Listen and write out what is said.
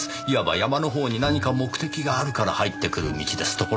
いわば山のほうに何か目的があるから入ってくる道です。